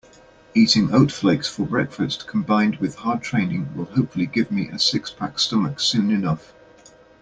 Eating oat flakes for breakfast combined with hard training will hopefully give me a six-pack stomach soon enough.